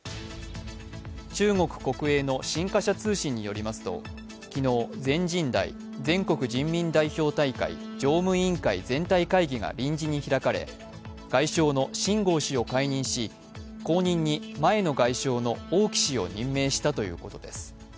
中国国営の新華社通信によりますと、昨日、全人代＝全国人民代表大会常務委員会全体会議が臨時に開かれ外相の秦剛氏を解任し、後任に前の外相の王毅氏を任命したということです。